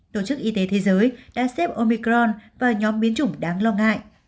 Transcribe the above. tổ chức y tế thế giới đã xếp omicron vào nhóm biến chủng đáng lo ngại